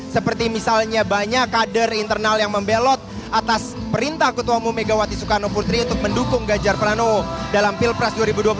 seperti misalnya banyak kader internal yang membelot atas perintah ketua umum megawati soekarno putri untuk mendukung ganjar pranowo dalam pilpres dua ribu dua puluh